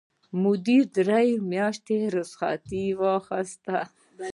مدیرې درې میاشتې رخصت واخیست.